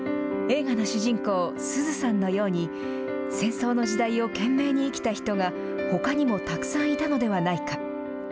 映画の主人公、すずさんのように戦争の時代を懸命に生きた人が、ほかにもたくさんいたのではないか。